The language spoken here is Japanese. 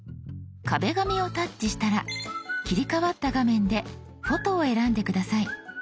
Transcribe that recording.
「壁紙」をタッチしたら切り替わった画面で「フォト」を選んで下さい。